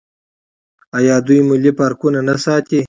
آیا دوی ملي پارکونه نه ساتي؟